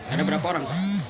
ada berapa orang